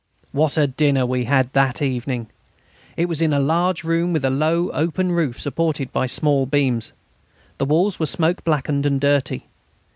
What a dinner we had that evening! It was in a large room with a low open roof supported by small beams. The walls were smoke blackened and dirty.